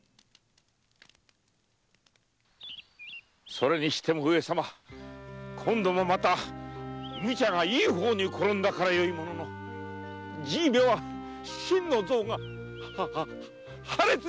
それにしても上様今度もまた無茶がいい方に転んだからよいもののじいめは心の臓が破裂しそうでございましたぞ！